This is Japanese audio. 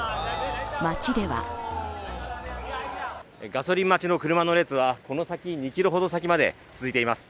街ではガソリン待ちの車の列はこの先２ｋｍほど先まで続いています。